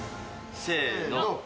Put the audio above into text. せの！